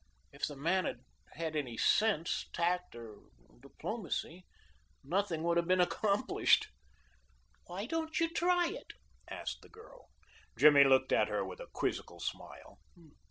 If the man had had any sense, tact or diplomacy nothing would have been accomplished." "Why don't you try it?" asked the girl. Jimmy looked at her with a quizzical smile.